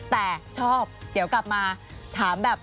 แต่ชอบเดี๋ยวกลับมาถามแบบ